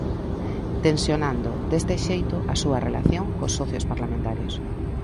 Tensionando, deste xeito, a súa relación cos socios parlamentarios.